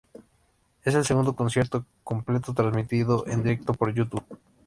Es el segundo concierto completo transmitido en directo por YouTube.